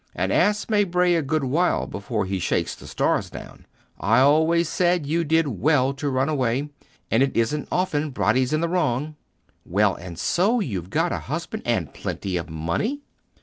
An ass may bray a good while before he shakes the stars down. I always said you did well to run away, and it isn't often Bratti's in the wrong. Well, and so you've got a husband and plenty of money?